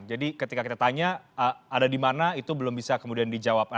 jadi ketika kita tanya ada di mana itu belum bisa kemudian dijawab